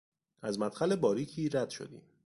از مدخل باریکی رد شدیم.